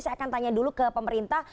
saya akan tanya dulu ke pemerintah